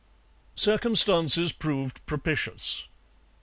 Circumstances proved propitious.